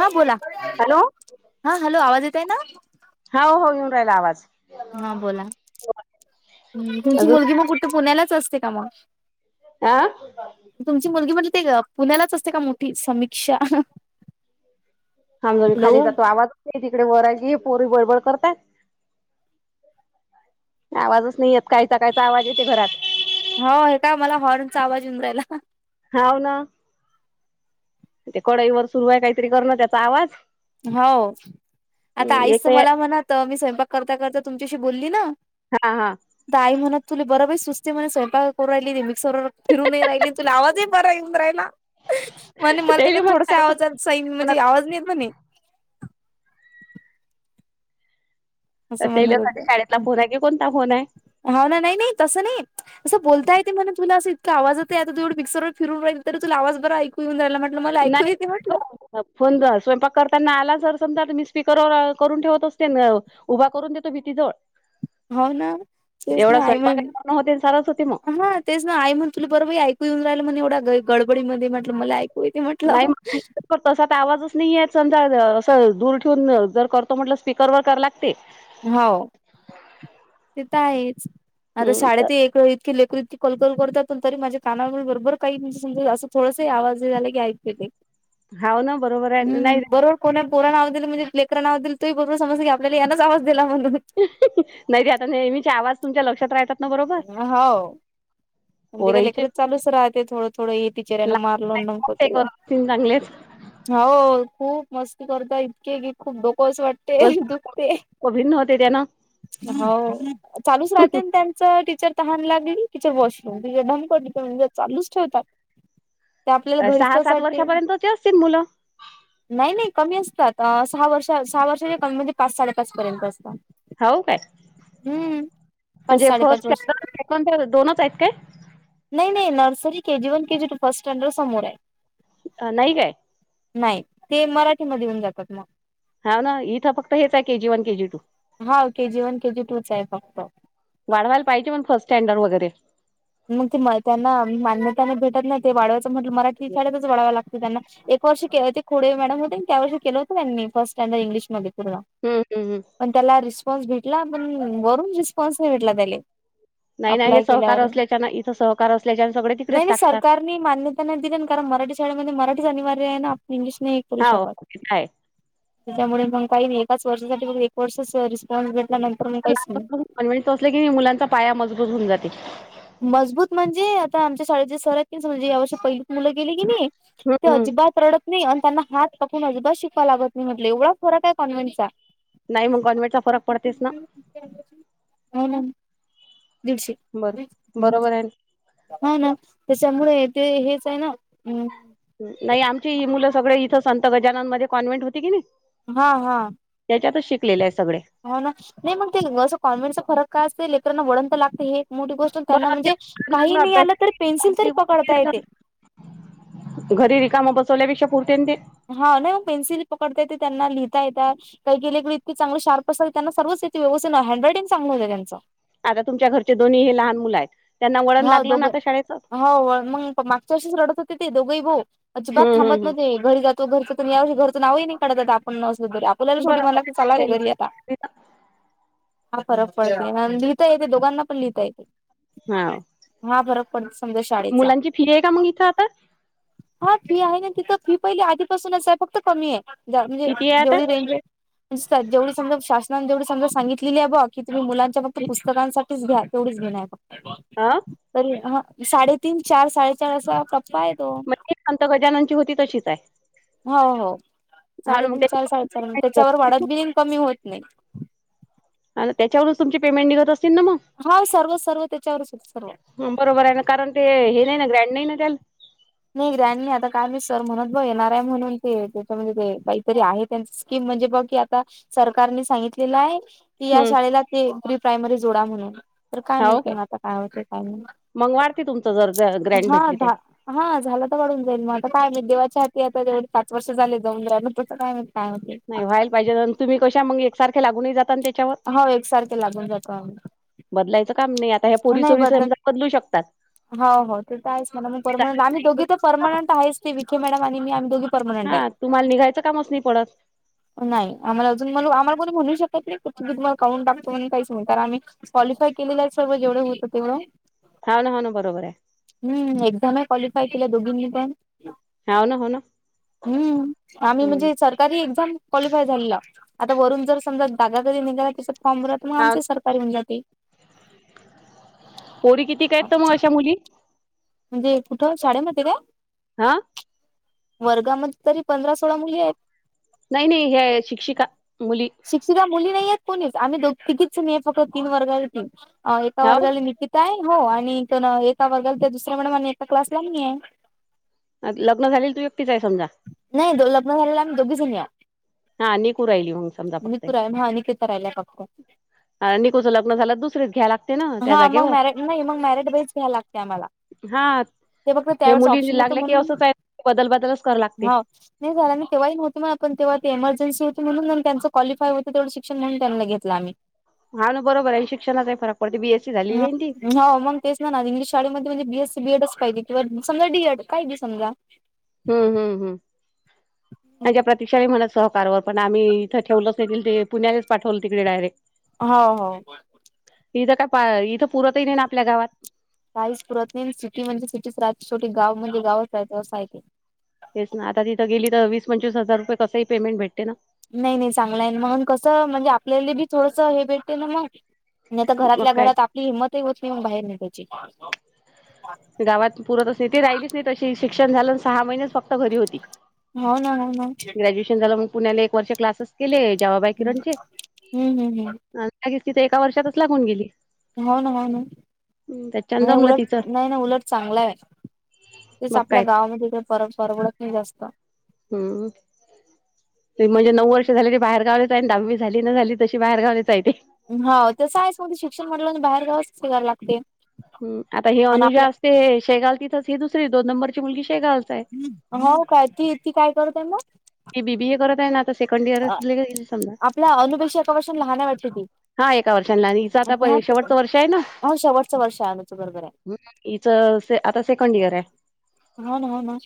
हा बोला. हॅलो. हा हॅलो आवाज येतंय ना? हाव हो येऊन राहिला आवाज. हा बोला. तुमची अजून मुलगी मग कुठे पुण्यालाच असते का मग? आं.. तुमची मुलगी म्हणली ते, पुण्यालाच असते का मोठी समीक्षा. अजून हॅलो खाली जातोय आवाज. [unintelligible] ही पोरी बडबड करतायेत. आवाजच नाही येत, कायचा कायचा आवाज येते घरात. हो हे काय मला हॉर्नचा, आवाज येऊन राहिला. हाव ना ते कडईवर सुरू आहे, काहीतरी करण त्याचा आवाज. हो. आता आईस एक मला म्हणत, मी स्वयंपाक करता करता तुमच्याशी बोली न. हा हा. ते आई म्हणत तुला बरं बाई सुसते म्हणे. स्वयंपाक करू राहिली ते मिक्सरवर फिरूनही राहिली आणि तूला आवाजही बरा आहे येऊन राहिला. म्हणे मला ते का तेले मग थोडसा सांगत होते आवाजात सई म्हणजे आवाज नाहीे येत म्हणे. अ असं तेला म्हणत सांग शाळेतला फोन आहे, की कोणता फोन आहे. हो ना. नाही नाही तसं नाही असं बोलता येते म्हणे तुला असं इतका आवाज येत आहे. आता तु एवढं मीक्सरवर फिरून राही तरी तुला आवाज बरं ऐकून येऊ राहिला. मला ऐकू नाही. येते म्हटलं. [unintelligible] फोन जर स्वयंपाक करताना आला जर, समजा मी स्पीकरवर करून ठेवत असते न. उभा करून देतो भीतीजवळ. होना तेस, ना एवढा आई स्वयंपाक मग करणं होते सारच होते मग हां.. तेच ना आई म्हणे तुला बर बाई ऐकू येऊन राहिलं म्हणे एवढ्या गडबडीमध्ये. म्हटलं मला ऐक हो येते म्हटलं. त अस आता आवाजच नाही येत समजा, असं दूर ठेवून जर करतो म्हटलं स्पीकरवर करा लागते. हो ते तर आहेच. आता हम्म शाळेत हे एक [unintelligible] कलकल करतात तरी पण माझ्या काना बरोबर काही म्हणजे, समजा असं थोडंसं आवाज झाला कि ऐकू येतय. हाव ना बरोबर आहे नाही हम्म बरोबर. कोन्या पुरानं आवाज दिला म्हणजे, लेकरांना आवाज दिला तरी बरोबर समजतंय. आपल्याला यानच आवाज दिला म्हणून. नाही ते आता नेहमीचे आवाज तुमच्या लक्षात राहतात. ना बरोबर हो. पोराईचे लेकरच चालूच राहते, थोडं थोडं हे टीचर ने मारलं असं केलं. लहान चांगलेच हो खूप मस्ती करतोय, इतकी की खूप डोकं असं वाट ते दिवसभर दुखते. भिन्न होते त्यानं हो चालूच राहते त्यांच, टीचर तहान लागली टीचर वॉशं [unintelligible] चालूच ठेवतात. ते आपल्याला घरीच सहा तसं सात वाटते. वर्षापर्यंतचे असतील मुलं नाही नाही कमी असतात अ सहा वर्ष सहा वर्षांच्या कमीमध्ये पाच साडेपाच पर्यंत असतात. हाव काय? हम्म पाच म्हणजे साडेपाच फर्स्ट वर्ष सेकंड दोनच आहेत काय? नाही नाही. Nursery K G one, K G two first standard समोर आहे. अं.. नाही काय. नाही ते मराठीमध्ये येऊन जातात मग. हा ना, इथं फक्त हेच आहे केजी वन केजी टू. हां.. केजी वन केजी टूच आहेच फक्त. वाढवायला पाहिजे मग फर्स्ट स्टँडर्ड वगैरे. मग ते त्यांना मान्यता नाही भेटत नाही ते वाढवायचं म्हटलं मराठी शाळेतच वाढवाव लागतं. त्यांना एक वर्ष ते होते खोडे मॅडम होते, त्या वर्षी केलं हों त्यांनी फर्ट स्टँडर्ड इंग्लिशमध्ये पूर्ण. हम्म हम्म. पण त्याला रिस्पॉन्स भेटला पण, वरून रिस्पॉन्स नाही भेटला त्याले. नाय नाय हे सहकार असल्याच्या ना इथं सहकार असल्याच्याऩ सगळे नाही तिकडेच नाही टाकतात. सरकारने मान्यता नाही दिली ना, कारण मराठी शाळेमध्ये मराठीच अनिवार्य आहे ना इंग्लिश नाही. तरी हाव शकत ते तर आहे. त्यामुळे मंग काही एकाच वर्षासाठी मग एक वर्षचा री कॉल घेतल्या नंतर नाही पैसे. आणि म्हणे, तसलं की मुलांचा पाया मजबूत होऊन जाते... मजबूत म्हणजे, आता आमच्या शाळेचे सर आहेत म्हणजे या वर्षी पहिलीत मुलं गेले कणी. हम्म ते हम्म अजिबात रडत. नाही आणि त्यांना हात पकडून अजिबात शिकवायला लागत नाही म्हटलं एवढा फरक आहे कॉन्हेंटचा. नाही मंग गौरमेंटचा फरक पडतेस ना. हो ना, दीडशे बर हम्म. बरोबर आहे ना. हा ना, त्यांच्यामुळे ते हेच आहे ना. नाही आमची मुलं सगळे इथं, संत गजानमध्ये कॉन्व्हेंट होते कणी. हा हा. सगळे. होना नाही मग ते असं कॉन्व्हेन्ट च, फरक काय असते लेकरांना वळण तर लागते हे. मोठी गोष्ट त्यांना बरं ते म्हणजे छान काही लागलं नाही आलं तरी पेन्सिल तरी पकडता अभ्यास येते. घरी रिकामं बसवल्यापेक्षा पुरते ते. हा.. नाही मग पेन्सिल पकडता येते, त्यांना लिहिता येतात. काही [unintelligible] इति चांगलं शार्प असल त्यांना सर्वच येती व्यवस्थित ना हँड रायटिंग चांगलं होते त्यांचं. आता तुमच्या घरचे दोन्ही हे लहान मुलं आहेत त्यांना वळण हा लागलं ना दोघं आता शाळेचं. हो मंग मागच्या वर्षीच रडत होते ते, दोघे ही भाऊ अजिबात हम्म थांबत हम्म हम्म नव्हते घरी जात. तो घरच तया घरच नाव ही, नाही काढत आता आपण नसलो तरी. बोलेला शेवटी मला बरोबर तर चाला की घरी आता. आहे. हा फरक पडत लिहिता येते, दोघांना पण लिहिता येते. हांव, हा फरक पडतो समजा शाळेचा मुलांची फी आहे का, मग इथं आता. हा फी आहे ना तिथं फी पहिली, आधीपासूनच आहे फक्त कमी आहे म्हणजे किती आहे आता जेवढी रेंज आहे. [unintelligible] जेवढी समज शासनाने जेवढी समजून सांगितलेली आहे बा, की तुम्ही मुलांच्या फक्त पुस्तकांसाठी. घ्या तेवढीच घेणार फक्त. आं.. तरी हं.. साडेतीन चार साडेचार असा टप्पा आहेत. मग संत गजाननची होती तशीच आहे. हो हो, हा मग साडेतीन चार साडेचार म्हणे, त्याच्यावर वाढत बि नाही आणि कमी ही होत नाही. आणि त्याच्यावरूनच तुमची, पेमेंट निघत असतील ना मग. हा सर्वच सर्व तेच्यावर सु बरोबर आहे ना कारण, ते हे नाही ना ग्रँड नाही ना त्याला. नाही ग्रॅन नाही आता काय मी सर म्हणत बघ येणारय म्हणून ते त्याच्या म्हणजे ते काही तरी आहेत. त्यांच स्कीम म्हणजे बघ की, आता सरकारने सांगितलेलं आहे. ती या हम्म शाळेला ते प्री -प्रायमरी जोडा म्हणून. तर काय माहित मग, आता काय होतंय काय नाही मग वाढते तुमचं जर ग्रँड हा. भेटली तर धा हा झाला तर वाढून जाईल मग, आता काय मग देवाच्या हाती आता तेवढे पाच वर्ष झाले, [unintelligible] नाही व्हायल पाहिजे तुम्ही, कशा मग एकसारखे लागून जात नाही ना ते. हाव एकसारखे लागून जातो. बदलायचं काम नाही आता, ह्या नाही पोरीसोरीस बदलत समजा बदलू शकतात. हो हो.. ते तर आहेच म्हणा पर्मनंट आम्ही दोघी तर पर्मनंट आहेच. ते विखे मॅडम, आणि मी आम्ही दोघी. परमनंट आहे हा तुम्हाला निघायचं, कामच नाही पडत. नाही आम्हाला अजून‌, आम्हाला कोण म्हणू शकत नाही. ती तुम्हाला काउंट टाकतो म्हणी काहीच नाही तर आम्ही क्वालिफाय केलेलं आहे सर्व जेवढं होतं तेवढं. हांव ना हांव बरोबर ये. हम्म एक्झम ही क्वालिफाय केले दोघींनी पण. हाव ना हो ना हम्म.. आम्ही हम्म म्हणजे चर तरी एक्झाम क्वालिफाय झालेला, आता वरून जर समजा [unintelligible] तरी निघाला. फॉर्म भराला तर‌ हा आमचे सरकारी होवून जाते. पोरी किती काय, तर मग अशा मुली. म्हणजे, कुठं शाळेमध्ये काय. हां... वर्गामध्ये तरी पंधरा सोळा मुली आहेत. नाही नाही हे शिक्षिका मुली. शिक्षिका मुली नाहीय आहेत कोणीच, आम्ही दो तिघीच नाही फक्त. तीन वर्गाला तीन एका हाव वर्गाला निकि काय आहे हो आणि एक दोन एका वर्गाला तर, दुसऱ्या मॅडम आणि एका क्लासला मी आहे. लग्नं झालेली तू एकटीच आहे समजा. नाही लग्न झालेलं, आम्ही दोघीं जनी हाव. हा निकू राहिली मग, समजा फक्त ये. मितू राहील हा निकिता राहिल्या फक्त निकूच लग्न झालं, दुसरीच घ्याला. हा मग मॅरेज नाही मग, मॅरिड बाई घ्यायला लागते आम्हाला. हां... ते फक्त त्यावरच ऑप्शन नव्हते, म्हणून बदल बदलच कराव लागते हो... नाही झाला ना तेव्हाही होते मग आपण तेव्हा ते इमर्जन्सी होती, म्हणून त्यांच क्वालिफाय होतं तेवढं शिक्षण म्हणून त्यांना घेतलं आम्ही. हा ना बरोबर आहे शिक्षणाचा पण फरक पडती बीएस हं.. हो मगं. तेच ना इंगलिश शाळेमध्ये म्हणजे, बीएससी बीएडच पाहिजे किंवा समजा डीएड काही बी समजा. हम्म हम्म हम्म. माझ्या प्रतीक्षाने हो मला सहकारवर पण आम्ही इथं ठेवलंच नाही तीला ते, पुण्यालाच पाठवले तिकडे डायरेक्ट. हांव हांव.. इथं काय इथं, पुरतही नाही ना आपल्या गावात. काहीच पुरतं नाही सिटी म्हजे, सिटीचे राज्य छोटे गाव म्हणजे गाव असं हाय ते. तेच ना आता तिथं गेली तर, वीस पंचवीस हजार रुपये तसं ही पेमेंट भेटते ना. नाही नाही चांगलं आहे मग, कसं म्हणजे आपल्याला बी थोडंसं हे भेटते ना मग. आणि आता मग घरातल्या काय घरात आपली, हिंमत ही होत नाही घरातून बाहेर निघायची. गावात पुरत असं नाही ती, राहिलीच नाही तशी शिक्षण झालं सहा महिनेच फक्त घरी होती. हांव ना मगं. ग्रॅज्युएशन झाला मग, पुण्या ला एक वर्ष क्लासेस केले जवाबाई हम्म किरणचे. हम्म हम्म लगेच तिथे एका वर्षातच लागून गेली. हो ना, हो ना. त्याच्यान आणि जमलं तिचं उलट नाही ना उलट चांगला आहे, तेच मग आपल्या काय तर. गावामध्ये परव परवडत नाही जास्त. हम.. ते म्हणजे नऊ वर्ष झाली ते बाहेर गावीच आहे, आणि दहावी झाली ना झाली तशी बाहेर गावीच आहे ती. हो तसं आहेच मग शिक्षण म्हणलं, की बाहेर गावाच कराव लागते. हम् आता ही आणि अनुजा आपल्या असते हे, शेगांव तिथंच ही दुसरी दोन नंबरची मुलगी शेगावच आहे. हो काय ती, ती काय करते मग. ते बीबीए करत आहे ना, आता सेकंड इयरले समजा. आपल्या अनुपेक्षा एका वर्षाने लहान आहे वाटते ती. हा एका वर्षाने लहान, हिच आता शेवटचं वर्ष आहे ना. हो शेवटचं वर्ष आहे अनुच बरोबर आहे. हिचं आता सेकंड इयर ये. हांव हांव ना.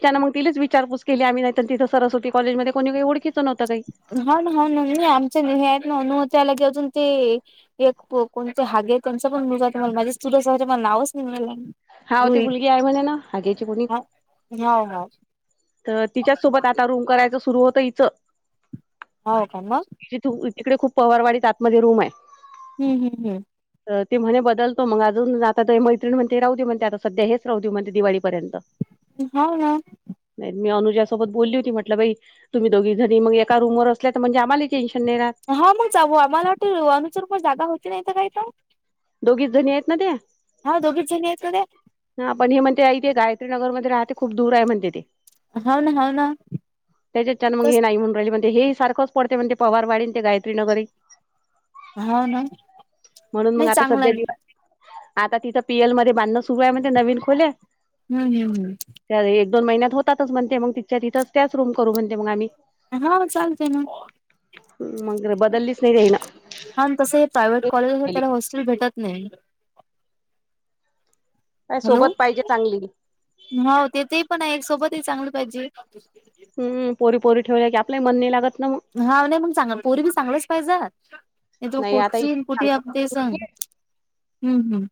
त्यानं मग तिलीच विचारपूस केली आम्ही, नाहीतर तिथं सरस्वती कॉलेजमध्ये कोणी काहीओळीच नव्हतं काही. हांव ना हांव ना नाही आमचे हे आहेत ना, अणुआत्या लगेच अजून ते. एक कोणते हागे त्यांचा पण मुलगा आहे, मग माझे चुलत सासरे मला नावच नाही येवून राहिले. हांव ती मुलगी आहे म्हणे, ना आग्याची कोणी. हा हाव हाव. तर तिच्याच सोबत आता रूम करायचं सुरु होतं हिचं. हो का, मग. तिथं तिकडे खूप पवारवाडी आतमध्ये रूम आहे. हम्म हम् हम्म. तर ते म्हणे बदलतो मग अजून आता ते मैत्रीण म्हणते राहू दे, म्हणते आता सध्या हेच राहू दे म्हणते दिवाळीपर्यंत. हाव ना. नाहीत मी अनुजासोबत बोलली होती म्हटलं बाई तुम्ही दोघी जणी मग एका रूमवर असल्या तर म्हणजे आम्हाला ही टेन्शन नाही राह. हा मग जाऊवा आम्हाला वाटते, अनुचर पण जागा होती नाहीत काही पण. दोघीच जणी आहेत ना त्या हा दोघीच जणी आहेत ना त्या. हा पण ते हे म्हणते आई ते, गायत्री नगर मध्ये राहते खूप दूर आहे म्हणते ती. हाव ना हाव ना त्याच्यानं तस हे नाही म्हणून राहिली पण तेही सारखंच पडते म्हणते पवारवाडीन ते गायत्री नगरे. हाव ना म्हणून मंग नाही आता चांगलं सध्या आहे दिवस आता तिथं पी एल मध्ये बांधणं सुरु आहे, म्हणते‌ नवीन खोल्या. [unintelligible] त्या एक दोन महिन्यात होतातच म्हणते मंग तिच्या तिथंच त्याच रूम करू म्हणते मंग आम्ही. हा, चालते ना. मग बदललीच नाही देईना पण तसं ही, प्रायवेट कॉलेजला त्याला हॉस्टेल भेटत नाही. काय सोबत पाहिजे चांगली. हाव ते तेही पण आहे सोबतही चांगलं पाहिजे. हम्म पोरी पोरी ठेवल्या की आपल्याही मन नाही लागत ना म. हाव नाही मंग चांगलं पोरी बी चांगलाच पाहिजे तो नाही आता कुठची इतकं कुठी चांगलं ते संग हम् हम्.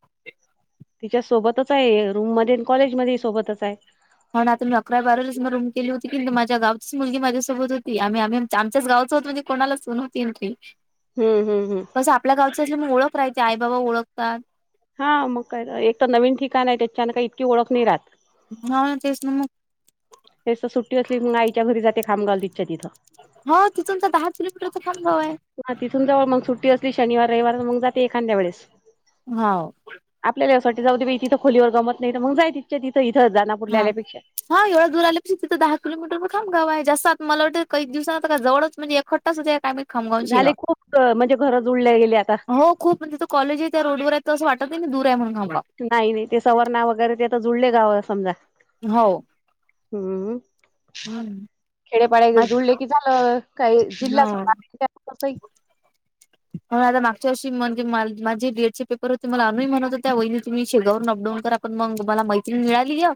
तिच्या सोबतच आहे, रूम मध्ये आणि कॉलेज मध्ये सोबतच आहे. हो ना, आता मी अकरा बारावी मग रूम केली होती, कणी माझ्या गावची मुलगीच माझ्यासोबत होती. आम्ही आम्ही, च आमच्याच गावचं होत म्हणजे कोणाला चुन होतीन ती. हम्म हम्म हम्. कसं आपल्या गावचं असल्यामुळे, ओळख राहायचे आई बाबा ओळखतात. हाव मग कायतर एकतर नवीन ठिकाण आहे त्याच्यान काही इतकी ओळख नाही राहत. हाव ना, तेच ना मग. ते तर सुट्टी असली मंग आईच्या घरी जाते खांब गावली. हाव तिथूनचा दहा किलोमीटरचा खाम गावं आहे. हं.. तिथून जवळ मग सुट्टी असली, शनिवार रविवार मग जाते एखाद्यं वेळेस. हौव. आपल्या जाऊसाठी जाऊ दे बाई तिथं खोलीवर गमत नाही तर मग जाय तिथंच्या तिथं इथं दानापुरला हा आल्यापेक्षा. हा एवढा दूर आल्या तिथं तर दहा किलोमीटर खांब गाव आहे जास्त आत मला वाटत काही दिवस आता का जवळच म्हणजे एखट आता सुजया का मी खाम गावून झाले शिगा खूप म्हणजे घर जुळले गेले आता हो खूप पण तिचं कॉलेज आहे त्या रोडवर आहे तर असं वाटत नाही दूर आहे म्हणून घाबडा. नाही नाही ते सवर्णा वगैरे ते आता जुळले गाव आहे समजा. हौव. हम्म हम्म खेडेपाड्या जुळले कि झालं. काही जिल्हा. हो [unintelligible] होणं आता मागच्या वर्षी म्हणजे माझे डीएड चे पेपर होते, मला अनू ही म्हणतं होत्या. वहिनी तुम्ही शेगांव वरून अपडाऊन करा. पण मग मला मैत्रीण मिळालीय,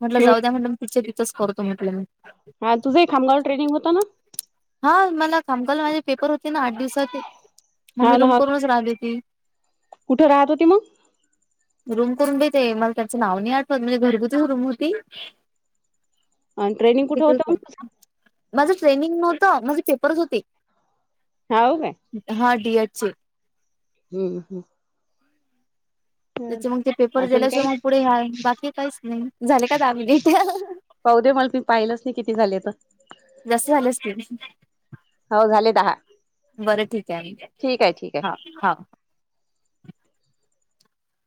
म्हटलं हम् जाऊ द्या म्हटलं, मी टिचर तिथंच करतो म्हटलं मी. हा तुझं ही खांब गावं ट्रेनिंग होता ना. हा मला काम कालं माझे पेपर होते ना आठ दिवसा ते. म मी हा ना रूम हा करूनच राहिली ती. कुठं राहत होती मग रूम करून भेेते मला त्यांचं नाव नाही आठवत म्हणजे घरगुती रूम होती. [inaudible] ट्रेनिंग कुठं होतं मग माझ ट्रेनिंग नव्हतं, माझं पेप करत होती. तुझं हाव काय हा डीएड चे, हुंम. हुंम. त्याचे मग ते पेपर अजून काही झाल्याशिवाय मग, पुढे ह्या बाकी काहीच नाही झाले का दहा मिनिटं. पाहू दे मला मी पाहिलंच नाही किती झाले आता. लस्सी आल्या असतील. हो झाले दहा बरं ठीक आहे ठीक आहे ठीक आहे हा. हा.